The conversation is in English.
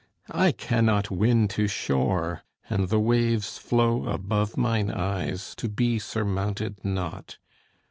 I cannot win to shore; and the waves flow Above mine eyes, to be surmounted not.